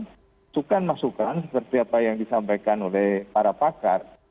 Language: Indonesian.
masukan masukan seperti apa yang disampaikan oleh para pakar